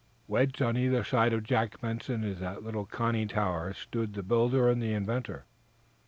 Wedged on either side of Jack Benson in that little conning tower stood the builder and the inventor.